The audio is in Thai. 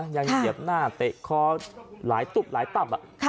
เหยียบหน้าเตะคอหลายตุ๊บหลายตับ